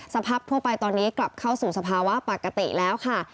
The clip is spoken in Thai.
สภาพทั่วไปตอนนี้กลับเข้าสู่สภาวะปกติแล้วค่ะ